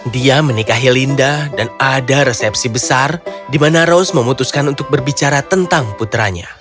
dia menikahi linda dan ada resepsi besar di mana rose memutuskan untuk berbicara tentang putranya